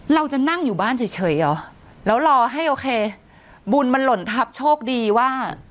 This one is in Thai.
เราจะนั่งอยู่บ้านเฉยเหรอแล้วรอให้โอเคบุญมันหล่นทับโชคดีว่า